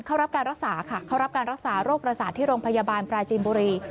เข้ารับรับการรักษาโรคประสาทที่โรงพยาบาลปราชิมบุรี